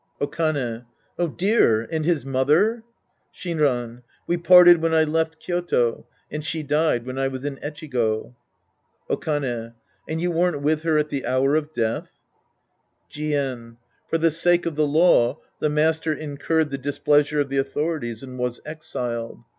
Okane. Dear ! And his mother ? Shinran. We parted when I left Ky5to, and she died when I was in Echigo. Okane. And you weren't with her at the hour of death? Jien. For the sake of the law, the master incurred the displeasure of the authorities and was exiled.